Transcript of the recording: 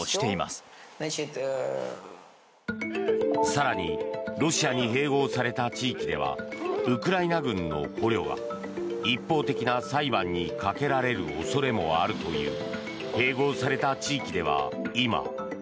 更に、ロシアに併合された地域ではウクライナ軍の捕虜が一方的な裁判にかけられる恐れもあるという。